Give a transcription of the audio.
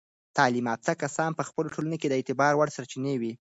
تعلیم یافته کسان په خپلو ټولنو کې د اعتبار وړ سرچینې وي.